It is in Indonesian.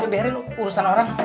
biarin urusan orang